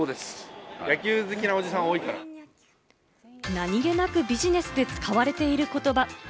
何気なくビジネスで使われている言葉。